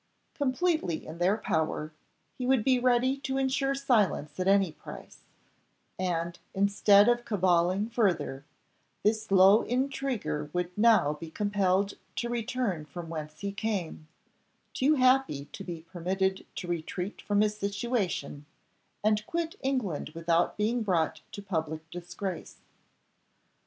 Completely in their power, he would be ready to ensure silence at any price, and, instead of caballing further, this low intriguer would now be compelled to return from whence he came, too happy to be permitted to retreat from his situation, and quit England without being brought to public disgrace.